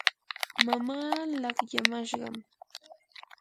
mamaa laqyamashqam.